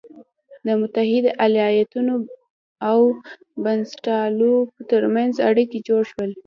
د متحدو ایالتونو او بنسټپالو تر منځ اړیکي جوړ شول.